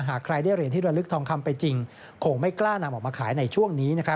หากใครได้เหรียญที่ระลึกทองคำไปจริงคงไม่กล้านำออกมาขายในช่วงนี้